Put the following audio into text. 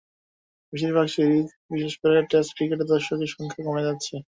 বেশির ভাগ সিরিজ, বিশেষ করে টেস্ট ক্রিকেটে দর্শকের সংখ্যা কমে যাচ্ছে।